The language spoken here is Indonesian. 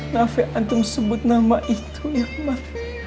nafi antung sebut nama itu ya mbak